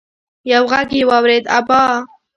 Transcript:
يو غږ يې واورېد: ابا!